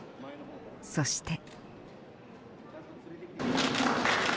そして。